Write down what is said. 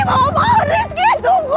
maaf maaf rizky tunggu